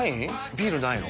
ビールないの？